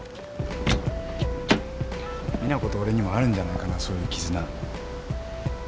実那子と俺にもあるんじゃないかなそういう絆。